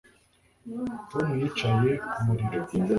Tom yicaye ku muriro